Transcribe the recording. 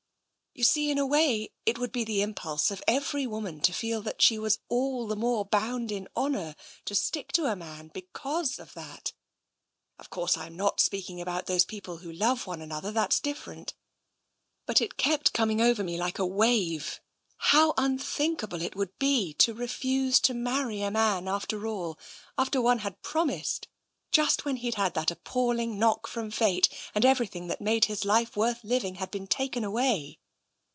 You see, in a way, it would be the impulse of every woman to feel that she was all the more bound in honour to stick to a man because of that — of course, I'm not speaking about those people who love one another, that's different. But it kept coming over me like a wave — how unthinkable it would be to refuse to marry a man after all, after one had promised, just when he'd had that appalling knock from Fate and everything that made his life worth living had been taken away.